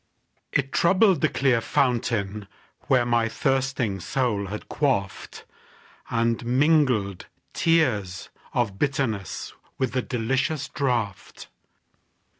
It troubled the clear fountain where My thirsting soul had quaffed, And mingled tears of bitterness With the delicious draught.